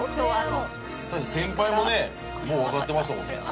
確かに先輩もねもうわかってましたもんね。